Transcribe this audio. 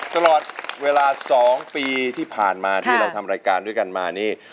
ตลอดเวลา๒ปีที่ผ่านมาที่เราทำรายการด้วยกันมานี่